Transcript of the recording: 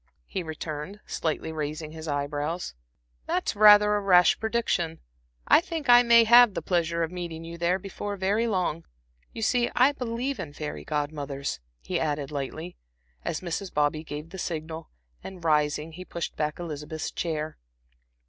he returned, slightly raising his eye brows. "That's rather a rash prediction. I think I may have the pleasure of meeting you there before very long. You see I believe in fairy Godmothers," he added, lightly, as Mrs. Bobby gave the signal, and, rising, he pushed back Elizabeth's chair.